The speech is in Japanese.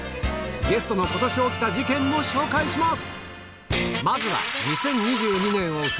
ゲストの今年起きた事件も紹介します！